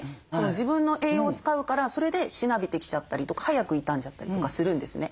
自分の栄養を使うからそれでしなびてきちゃったりとか早く傷んじゃったりとかするんですね。